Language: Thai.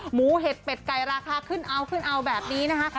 หมูเห็ดเป็ดไก่ราคาขึ้นเอาแบบนี้นะฮะ